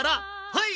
はい！